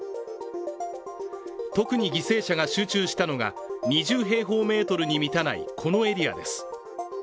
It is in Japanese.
特に犠牲者が集中したのが２０平方メートルに満たないこのエリアです。